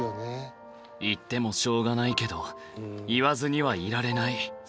言ってもしょうがないけど言わずにはいられない。